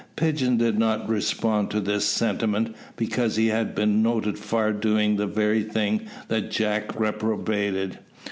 Pigeon did not respond to this sentiment, because he had been noted far doing the very thing that Jack reprobated.